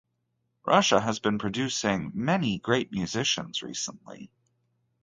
Russia has been producing many great musicians recently.